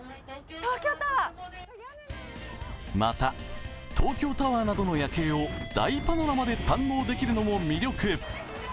また、東京タワーなどの夜景を大パノラマで堪能できるのも魅力。